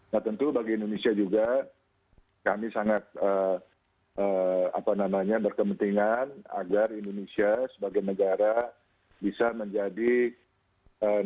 nah tentu bagi indonesia juga kami sangat berkepentingan agar indonesia sebagai negara bisa menjadi negara